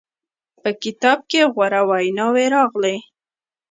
په کتاب کې غوره ویناوې راغلې.